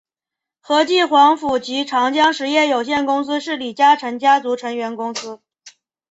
和记黄埔及长江实业有限公司是李嘉诚家族成员公司。